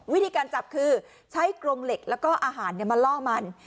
วิธีการจับคือใช้กรงเหล็กแล้วก็อาหารมาล่อมัน